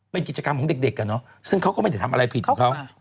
เป็นกิจกรรมของเด็กซึ่งเขาก็ไม่ได้ทำอะไรผิดของเขา